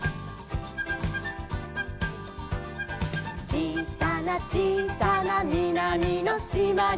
「ちいさなちいさなみなみのしまに」